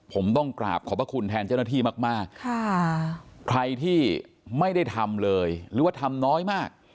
ผมต้องกราบขอบพระคุณแทนเจ้าหน้าที่มากมากค่ะใครที่ไม่ได้ทำเลยหรือว่าทำน้อยมาก